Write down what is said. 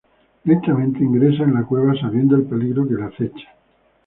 Lentamente ingresa a la cueva sabiendo el peligro que le acecha.